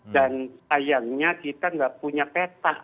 dan sayangnya kita tidak punya peta